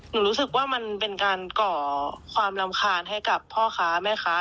รู้สึกว่ามันเป็นการก่อความรำคาญให้กับพ่อค้าแม่ค้า